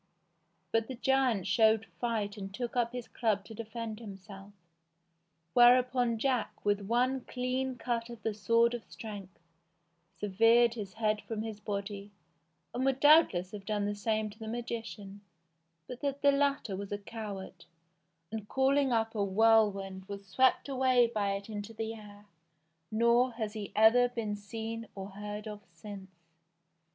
But the giant showed fight and took up his club to defend himself; whereupon Jack, with one clean cut of the sword of strength, severed his head from his body, and would doubtless have done the same to the magician, but that the latter was a coward, and, calling up a whirlwind, was swept away by it into the air, nor has he ever been seen or heard of since.